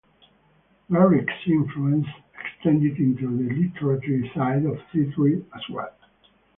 Garrick's influence extended into the literary side of theatre as well.